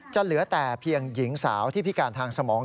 เหลือแต่เพียงหญิงสาวที่พิการทางสมอง